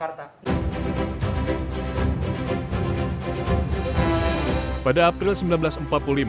dan soekarno dengan gegap gempita menyambut dalam pidatonya yang berapi api dan itu disambut oleh perwakilan perwakilan jepang